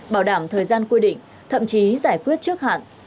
bảo đảm thời gian quy định thậm chí giải quyết trước hạn